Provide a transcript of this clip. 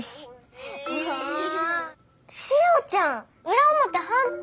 しおちゃん裏表反対。